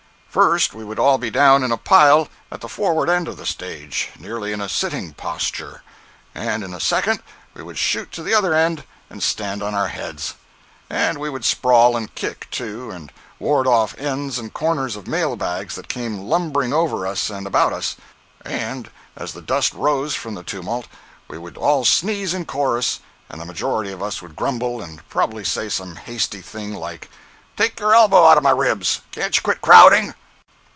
First we would all be down in a pile at the forward end of the stage, nearly in a sitting posture, and in a second we would shoot to the other end, and stand on our heads. And we would sprawl and kick, too, and ward off ends and corners of mail bags that came lumbering over us and about us; and as the dust rose from the tumult, we would all sneeze in chorus, and the majority of us would grumble, and probably say some hasty thing, like: "Take your elbow out of my ribs!—can't you quit crowding?"